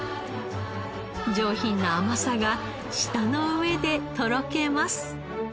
上品な甘さが舌の上でとろけます。